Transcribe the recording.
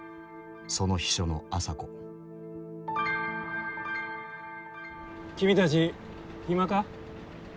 その秘書の麻子君たち暇か？